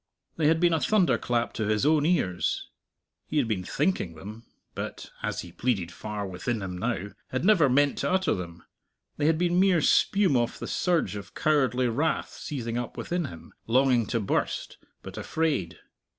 They had been a thunderclap to his own ears. He had been thinking them, but as he pleaded far within him now had never meant to utter them; they had been mere spume off the surge of cowardly wrath seething up within him, longing to burst, but afraid.